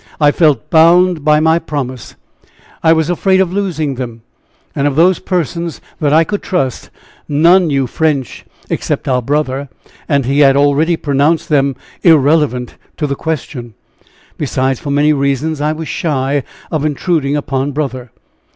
I felt bound by my promise, I was afraid of losing them, and of those persons that I could trust none knew French, except our brother, and he had already pronounced them irrelevant to the question. Besides, for many reasons, I was shy of intruding upon brother."